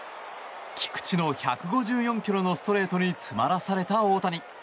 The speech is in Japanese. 菊池の１５４ｋｍのストレートに詰まらされた大谷。